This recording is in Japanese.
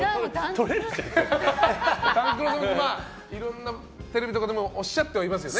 勘九郎さんはいろいろなテレビとかでもおっしゃってはいますよね。